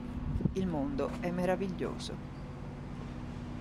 Il mondo è meraviglioso